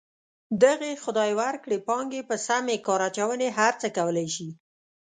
دغې خدای ورکړې پانګې په سمې کار اچونې هر څه کولی شي.